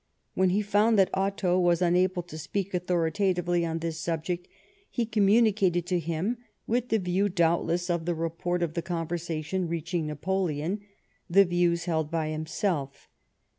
When he found that Otto was unable to speak authoritatively on this subject, he communicated to him, with the view doubtless of the report of the conversation reaching Napoleon, the views held by himself.